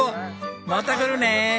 また来るね！